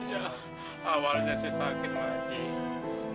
ya awalnya sih sakit bang haji